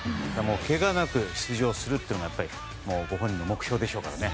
けがなく出場するというのはやっぱりご本人の目標ですからね。